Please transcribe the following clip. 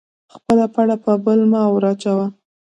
خپله پړه په بل مه ور اچوه